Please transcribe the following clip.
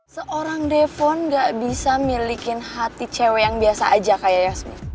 seorang defon gak bisa milikin hati cewek yang biasa aja kayak yasmi